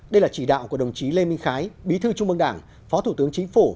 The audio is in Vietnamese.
đây là chỉ đạo của đồng chí lê minh khái bí thư trung mương đảng phó thủ tướng chính phủ